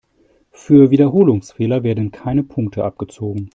Für Wiederholungsfehler werden keine Punkte abgezogen.